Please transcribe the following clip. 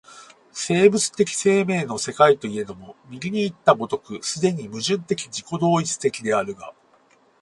生物的生命の世界といえども、右にいった如く既に矛盾的自己同一的であるが、